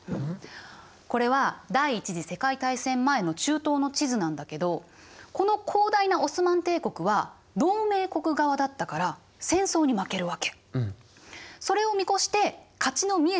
これは第一次世界大戦前の中東の地図なんだけどこの広大なオスマン帝国は同盟国側だったから戦争に負けるわけ。